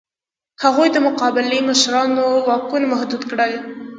هغوی د قبایلي مشرانو واکونه محدود کړل.